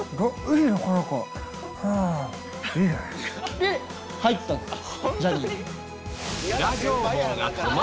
で入ったんですよ。